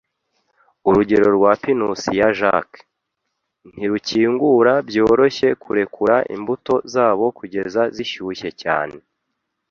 Urugero rwa pinusi ya jack, ntirukingura byoroshye kurekura imbuto zabo kugeza zishyushye cyane.